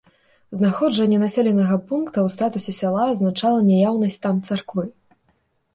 Знаходжанне населенага пункта ў статусе сяла азначала наяўнасць там царквы.